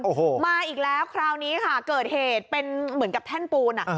โอ้โหมาอีกแล้วคราวนี้ค่ะเกิดเหตุเป็นเหมือนกับแท่นปูนอ่ะ